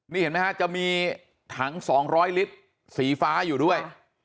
นี่เห็นไหมฮะจะมีถัง๒๐๐ลิตรสีฟ้าอยู่ด้วย